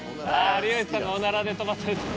有吉さんがおならで飛ばされる。